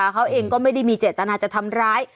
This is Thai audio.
เขาเองก็ไม่ได้มีเจตนาจะทำร้าย